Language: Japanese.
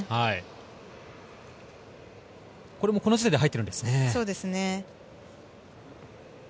さすがですね。これもこの時点で入っているんですね。